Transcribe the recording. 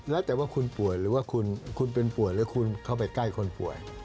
แล้วแต่ว่าคุณป่วยหรือว่าคุณเป็นป่วยหรือคุณเข้าไปใกล้คนป่วย